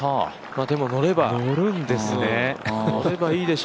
でも、のればのるんですね。